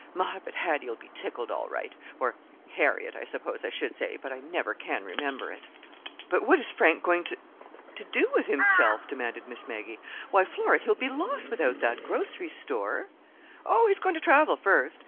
My, but Hattie'll be tickled all right—or 'Harriet,' I suppose I should say, but I never can remember it." "But what is Frank going to—to do with himself?" demanded Miss Maggie. "Why, Flora, he'll be lost without that grocery store!" "Oh, he's going to travel, first.